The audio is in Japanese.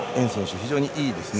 非常にいいですね。